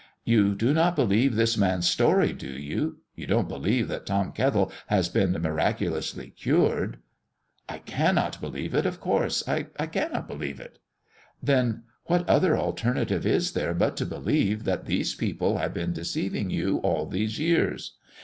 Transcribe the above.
"You do not believe this man's story, do you? You don't believe that Tom Kettle has been miraculously cured?" "I cannot believe it of course, I cannot believe it." "Then what other alternative is there but to believe that these people have been deceiving you all these years?